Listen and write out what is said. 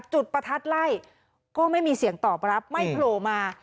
จุดประทัดไล่ก็ไม่มีเสียงตอบรับไม่โผล่มา